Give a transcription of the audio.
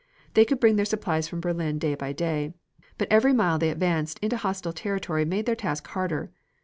They could bring their supplies from Berlin day by day, but every mile they advanced into hostile territory made their task harder.